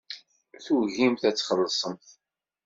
Tugimt ad txellṣemt.